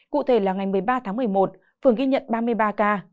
cụ thể là ngày một mươi ba tháng một mươi một phường ghi nhận ba mươi ba ca